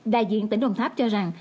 đại diện tỉnh đồng tháp cho rằng